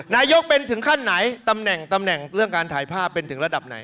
นายกเป็นถึงขั้นไหนตำแหน่งตำแหน่งเรื่องการถ่ายภาพเป็นถึงระดับไหน